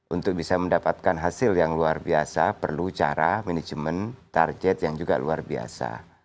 untuk bisa mendapatkan hasil yang luar biasa perlu cara manajemen target yang juga luar biasa